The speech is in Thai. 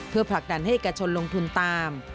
เพื่อผลักดันให้เอกชนลงทุนตาม